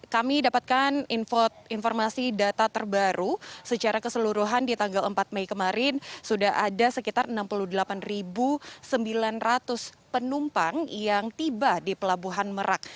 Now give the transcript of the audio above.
kami dapatkan informasi data terbaru secara keseluruhan di tanggal empat mei kemarin sudah ada sekitar enam puluh delapan sembilan ratus penumpang yang tiba di pelabuhan merak